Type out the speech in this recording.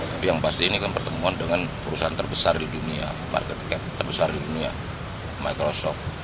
tapi yang pasti ini kan pertemuan dengan perusahaan terbesar di dunia market terbesar di dunia microsoft